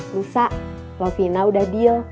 lusa lovina udah deal